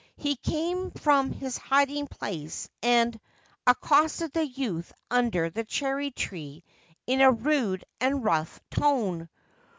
He came from his hiding place, and accosted the youth under the cherry tree in a rude and rough tone.